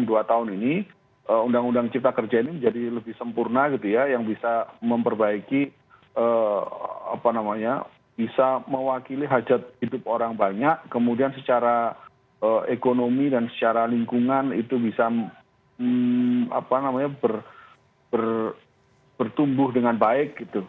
jadi dalam dua tahun ini undang undang cipta kerja ini menjadi lebih sempurna gitu ya yang bisa memperbaiki bisa mewakili hajat hidup orang banyak kemudian secara ekonomi dan secara lingkungan itu bisa bertumbuh dengan baik gitu